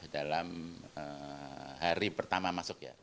dalam hari pertama masuk ya